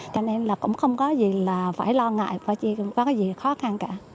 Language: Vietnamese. cho nên là cũng không có gì là phải lo ngại không có gì khó khăn cả